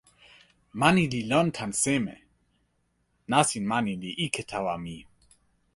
mani li lon tan seme? nasin mani li ike tawa mi.